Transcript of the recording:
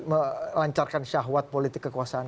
melancarkan sahwat politik kekuasaan